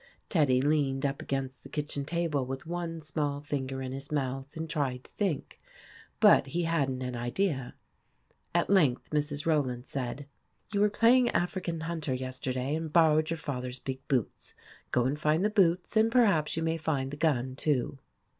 Teddy leaned up against the kitchen table with one small finger in his mouth and tried to think. But he had n't an idea. At length Mrs. Rowland said : 152 IMAGINOTIONS " You were playing African hunter yesterday, and borrowed your father's big boots. Go and find the boots, and perhaps you may find the gun, too."